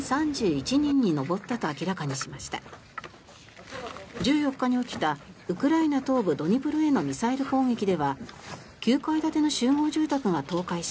１４日に起きたウクライナ東部ドニプロへのミサイル攻撃では９階建ての集合住宅が倒壊し